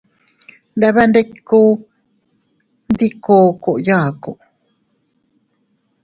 Nndeeebee nndikunn dii kookoy yaaku.